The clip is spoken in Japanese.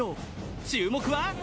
注目は。